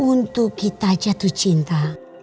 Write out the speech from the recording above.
untuk kita jatuh cinta